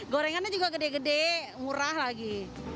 gorengannya juga gede gede murah lagi